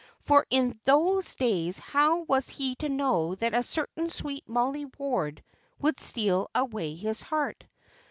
For in those days how was he to know that a certain sweet Mollie Ward would steal away his heart?